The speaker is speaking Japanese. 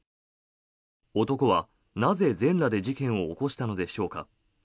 男はなぜ、全裸で事件を起こしたのでしょうか。